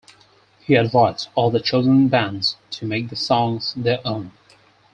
He advised all the chosen bands to make the songs their own.